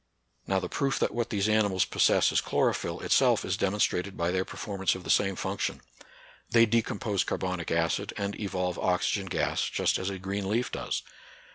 Now, the proof that what these animals possess is chlorophyll itself is demonstrated NATURAL SCIENCE AND RELIGION. 17 by their performance of the same function. They decompose carbonic acid and evolve oxy gen gas, just as a green leaf does.